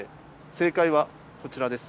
正解はこちらです。